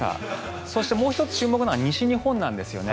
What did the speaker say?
そしてもう１つ注目なのが西日本なんですね。